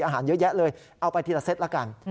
อาหารเยอะแยะเลยเอาไปทีละเซตละกัน